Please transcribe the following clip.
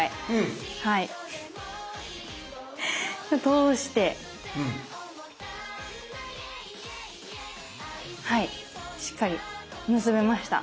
通してはいしっかり結べました。